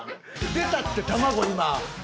出たって卵今。